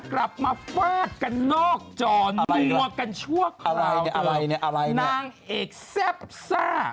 กลับมาฟาดกันนอกจอนัวกันชั่วอะไรอะไรเนี่ยอะไรนางเอกแซ่บซ่า